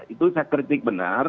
itu saya kritik benar